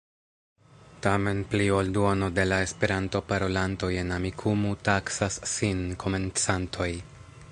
Tamen pli ol duono de la Esperanto-parolantoj en Amikumu taksas sin komencantoj.